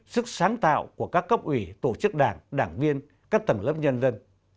sức sáng tạo của các cấp ủy tổ chức đảng đảng viên các tầng lớp nhân dân